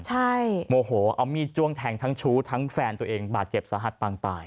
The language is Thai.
ใช่โมโหเอามีดจ้วงแทงทั้งชู้ทั้งแฟนตัวเองบาดเจ็บสาหัสปางตาย